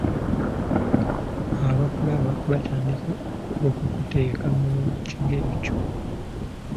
Abakulaba batandika okukuteeka mu kigero kyo.